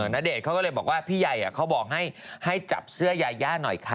ณเดชน์เขาก็เลยบอกว่าพี่ใหญ่เขาบอกให้จับเสื้อยาย่าหน่อยค่ะ